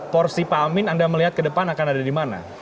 porsi pak amin anda melihat ke depan akan ada di mana